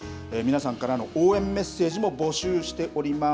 皆さんからの応援メッセージも募集しております。